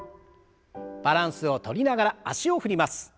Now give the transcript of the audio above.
バランスをとりながら脚を振ります。